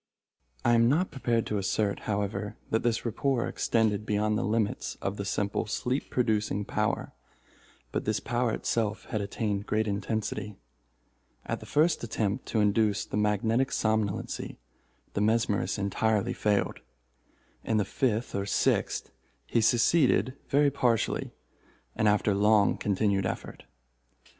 I am not prepared to assert, however, that this rapport extended beyond the limits of the simple sleep producing power, but this power itself had attained great intensity. At the first attempt to induce the magnetic somnolency, the mesmerist entirely failed. In the fifth or sixth he succeeded very partially, and after long continued effort.